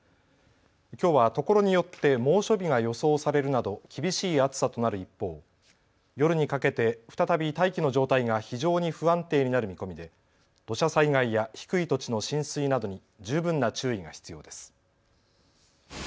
きょうはところによって猛暑日が予想されるなど厳しい暑さとなる一方、夜にかけて再び大気の状態が非常に不安定になる見込みで土砂災害や低い土地の浸水などに十分な注意が必要です。